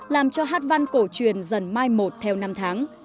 làm cho hát văn cổ truyền dần mai một theo năm tháng